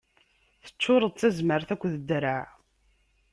Teččuṛeḍ d tazmert akked ddreɛ.